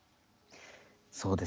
そうですね。